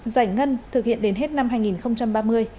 giải ngân thực hiện đến hết năm hai nghìn ba mươi